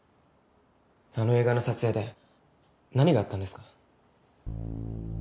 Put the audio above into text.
あの映画の撮影で何があったんですか？